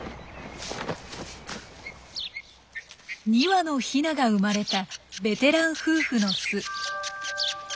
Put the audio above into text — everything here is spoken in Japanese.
２羽のヒナが生まれたベテラン夫婦の巣。